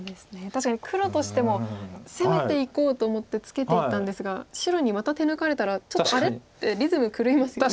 確かに黒としても攻めていこうと思ってツケていったんですが白にまた手抜かれたらちょっと「あれ？」ってリズム狂いますよね。